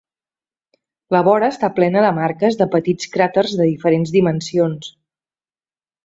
La vora està plena de marques de petits cràters de diferents dimensions.